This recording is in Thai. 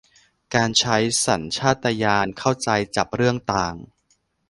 การใช้สัญชาตญาณเข้าจับเรื่องต่าง